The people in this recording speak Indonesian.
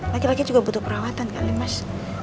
lagi lagi juga butuh perawatan kali mas